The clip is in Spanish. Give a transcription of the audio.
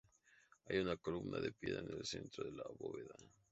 Hay una columna de piedra en el centro de la bóveda.